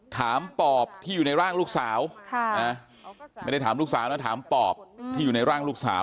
ปอบที่อยู่ในร่างลูกสาวไม่ได้ถามลูกสาวนะถามปอบที่อยู่ในร่างลูกสาว